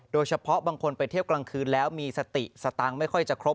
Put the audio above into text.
โดยเฉพาะบางคนไปเที่ยวกลางคืนแล้วมีสติสตางค์ไม่ค่อยจะครบ